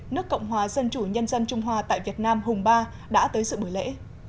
nước cộng hòa dân chủ nhân dân trung hoa tại việt nam hùng ba đã tới sự buổi lễ